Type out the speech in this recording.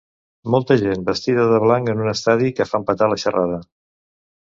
Molta gent vestida de blanc en un estadi que fan petar la xerrada.